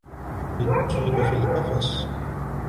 الأُسود في القفص.